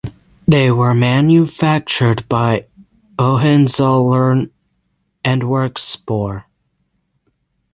They were manufactured by Hohenzollern and Werkspoor.